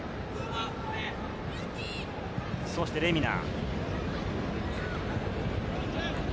そしてレミナ。